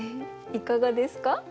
いかがですか？